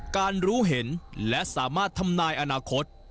รู้เห็นและสามารถทำนายอนาคต